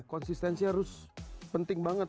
konsistensi harus penting banget